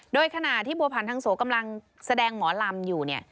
โดยขณะที่บัวผันทางโสกำลังแสดงหมอลำอยู่เนี่ย